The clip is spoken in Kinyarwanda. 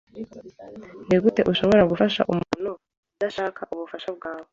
Nigute ushobora gufasha umuntu udashaka ubufasha bwawe?